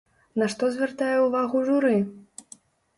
На што звяртае ўвагу журы?